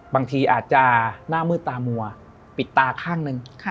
บางทีอาจจะหน้ามืดตามัวปิดตาข้างหนึ่ง